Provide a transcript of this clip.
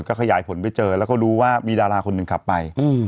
ก็ขยายผลไปเจอแล้วก็รู้ว่ามีดาราคนหนึ่งขับไป